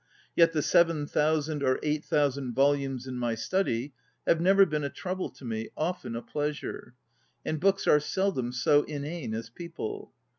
Yet the seven thou sand or eight thousand volumes in my study have never been a trouble to me, often a pleasure. And books are seldom so inane as people.